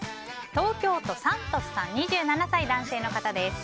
東京都、２７歳、男性の方です。